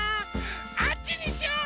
あっちにしよう！